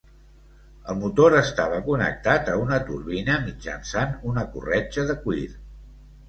El motor estava connectat a una turbina mitjançant una corretja de cuir.